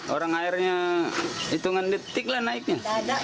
orang airnya hitungan detik lah naiknya